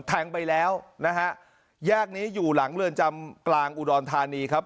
แทงไปแล้วนะฮะแยกนี้อยู่หลังเรือนจำกลางอุดรธานีครับ